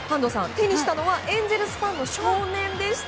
手にしたのはエンゼルスファンの少年でした。